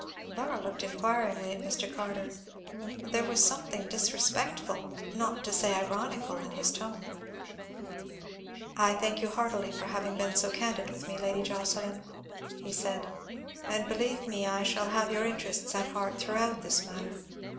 Laura looked inquiringly at Mr. Carter. There was something disrespectful, not to say ironical, in his tone. "I thank you heartily for having been so candid with me, Lady Jocelyn," he said; "and believe me I shall have your interests at heart throughout this matter.